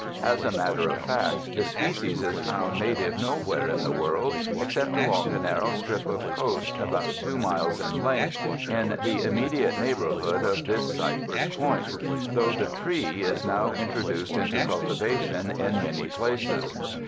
As a matter of fact, the species is found native nowhere in the world, ex cept along a narrow strip of coast about two miles in length in the immediate neighborhood of this Cypress Point, though the tree is now introduced into cultivation in many places.